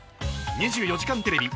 『２４時間テレビ』